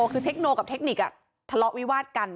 คือเทคโนกับเทคนิคทะเลาะวิวาดกัน